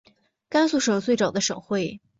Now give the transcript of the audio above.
甘肃省最早的省会。